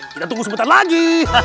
kita tunggu sebentar lagi